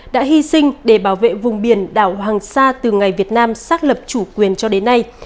đã hy sinh để bảo vệ vùng biển đảo hoàng sa từ ngày việt nam xác lập chủ quyền cho đến nay